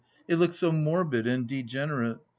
It looked so morbid and degenerate.